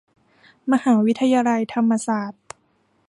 มหาวิทยาลัยธรรมศาสตร์